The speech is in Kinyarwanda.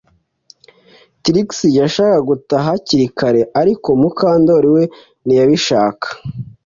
Trix yashakaga gutaha hakiri kare ariko Mukandoli we ntiyabishaka